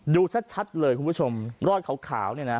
ดูชัดเลยคุณผู้ชมรอดขาวเนี่ยนะ